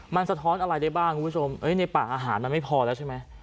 มันสะท้อนอะไรได้บ้างในป่าอาหารไม่พอแล้วใช่ไหม